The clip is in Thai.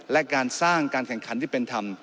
และการสร้างการแข่งขันที่เป็นธรรม